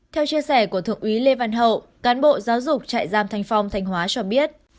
theo chia sẻ của thượng úy lê văn hậu cán bộ giáo dục trại giam thanh phong thanh hóa cho biết